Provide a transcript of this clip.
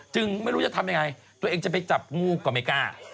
ไม่รู้จะทำยังไงตัวเองจะไปจับงูก็ไม่กล้า